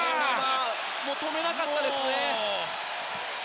止めなかったですね。